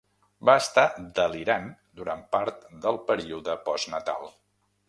Va estar delirant durant part del període postnatal.